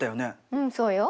うんそうよ。